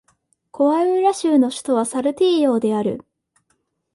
コアウイラ州の州都はサルティーヨである